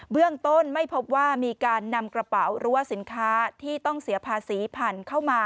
เรื่องต้นไม่พบว่ามีการนำกระเป๋าหรือว่าสินค้าที่ต้องเสียภาษีผ่านเข้ามา